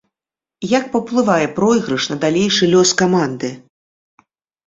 Як паўплывае пройгрыш на далейшы лёс каманды.